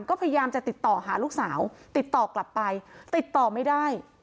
ก็พยายามจะติดต่อหาลูกสาวติดต่อกลับไปติดต่อไม่ได้